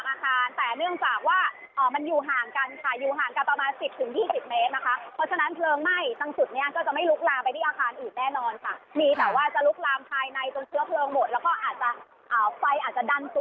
มีประมาณ๒๓อาคารแต่เนื่องจากว่ามันอยู่ห่างกันค่ะ